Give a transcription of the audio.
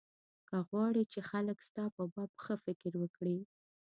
که غواړې چې خلک ستا په باب ښه فکر وکړي.